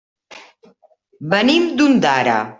Venim d'Ondara.